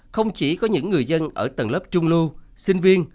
không chỉ có những người dân ở tầng lớp trung lưu sinh viên